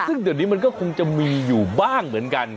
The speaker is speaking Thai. ซึ่งเดี๋ยวนี้มันก็คงจะมีอยู่บ้างเหมือนกัน